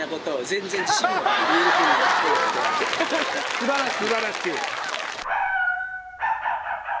素晴らしい！